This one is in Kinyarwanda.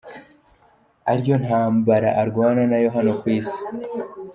ari yo ntambara arwana nayo hano ku isi.